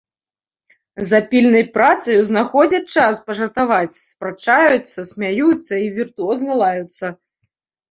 За пільнай працаю знаходзяць час пажартаваць, спрачаюцца, смяюцца і віртуозна лаюцца.